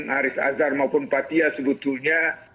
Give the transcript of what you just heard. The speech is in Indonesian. azhar maupun fathia sebetulnya